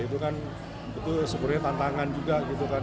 itu kan itu sebenarnya tantangan juga gitu kan